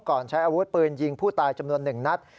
ก่อนใช้อาวุธปืนยิงผู้ตายจำนวนหนึ่งนัด